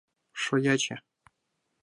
Шояче!